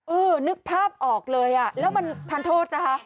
นึกภาพออกเลยอ่ะแล้วมันทานโทษนะคะ